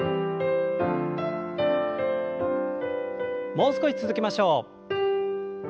もう少し続けましょう。